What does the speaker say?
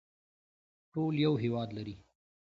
ټول یو هیواد لري